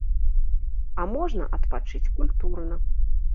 А можна адпачыць культурна.